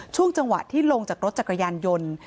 ช่วงจังหวะที่ลงจากรถจักรยานยนต์